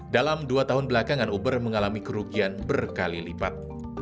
dalam dua tahun belakangan uber mengalami kerugian berkali lipat